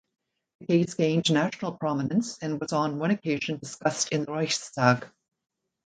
The case gained national prominence and was on one occasion discussed in the Reichstag.